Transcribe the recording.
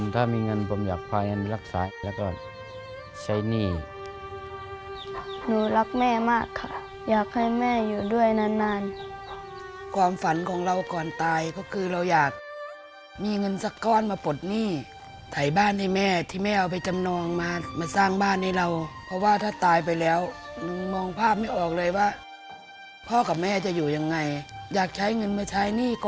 ตายแล้วก็คงจะไปสบายไม่ได้คิดอะไรอย่างนี้